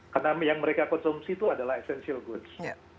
karena yang mereka konsumsi itu adalah essential goods